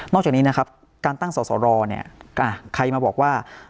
จากนี้นะครับการตั้งสอสรเนี่ยใครมาบอกว่า